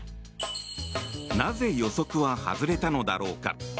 なぜ、予測は外れたのだろうか。